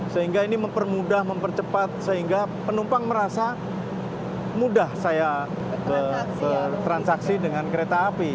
sehingga ini mempermudah mempercepat sehingga penumpang merasa mudah saya bertransaksi dengan kereta api